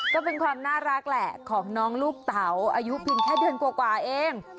ก็เป็นความน่ารักแหละของน้องลูกเต๋าอายุเพียงแค่เดือนกว่าเอง